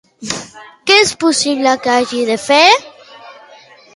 Què es possible que hagi de fer?